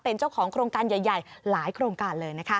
เป็นเจ้าของโครงการใหญ่หลายโครงการเลยนะคะ